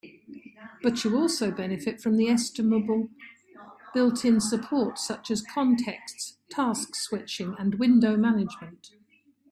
But you also benefit from the estimable built-in support such as contexts, task switching, and window management.